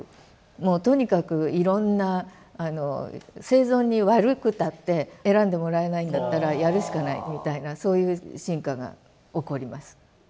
もうとにかくいろんな生存に悪くたって選んでもらえないんだったらやるしかないみたいなそういう進化が起こります。